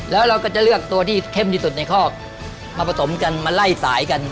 แล้วเราก็จะเลือกตัวที่เข้มที่สุดในคอกมาผสมกันมาไล่สายกัน